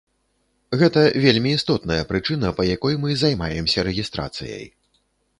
Гэта вельмі істотная прычына, па якой мы займаемся рэгістрацыяй.